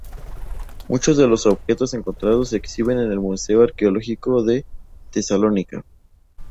Muchos de los objetos encontrados se exhiben en el Museo Arqueológico de Tesalónica.